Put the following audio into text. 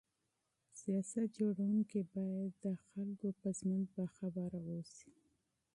سیاست جوړونکي باید د خلکو ژوند مطالعه کړي.